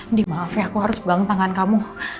nih maaf ya aku harus bang tangan kamu